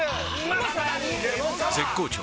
絶好調！！